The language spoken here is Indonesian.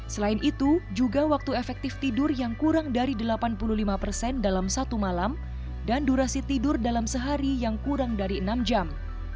selain itu juga waktu efektif tidur yang kurang dari delapan puluh lima persen dalam satu malam dan durasi tidur dalam sehari yang kurang dari enam jam